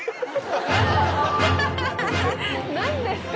何ですか？